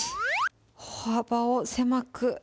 歩幅を狭く。